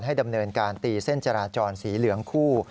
ดำเนินการตีเส้นจราจรสีเหลืองคู่